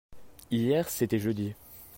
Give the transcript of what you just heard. hier c'était jeudi.